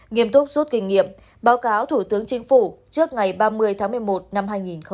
nghiêm túc rút kinh nghiệm báo cáo thủ tướng chính phủ trước ngày ba mươi tháng một mươi một năm hai nghìn hai mươi